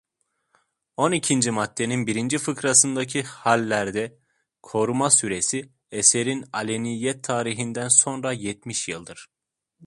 On ikinci maddenin birinci fıkrasındaki hallerde koruma süresi, eserin aleniyet tarihinden sonra yetmiş yıldır.